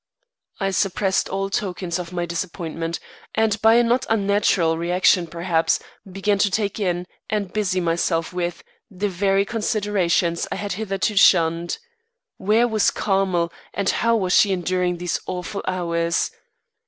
I suppressed all tokens of my disappointment, and by a not unnatural reaction, perhaps, began to take in, and busy myself with, the very considerations I had hitherto shunned. Where was Carmel, and how was she enduring these awful hours?